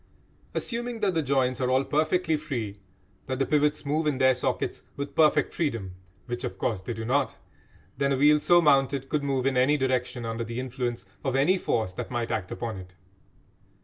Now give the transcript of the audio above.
Assuming that the joints are all perfectly free, that the pivots move in their sockets with perfect freedom which, of course, they do not then a wheel so mounted could move in any direction under the influence of any force that might act upon it.